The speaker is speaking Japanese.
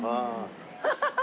ハハハハハ。